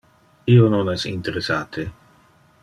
Io non es interessate.